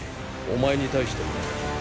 お前に対してもな。